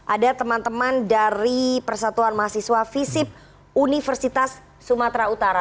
ada teman teman dari persatuan mahasiswa visip universitas sumatera utara